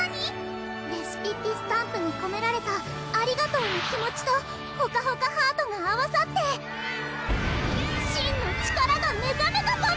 レシピッピスタンプにこめられたありがとうの気持ちとほかほかハートが合わさって真の力が目ざめたパム！